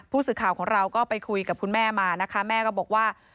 ผู้สื่อข่าวของเราก็ไปคุยกับคุณแม่มานะคะแม่ก็บอกว่า